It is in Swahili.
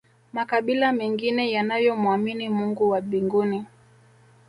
makabila mengine yanayomwamini mungu wa mbinguni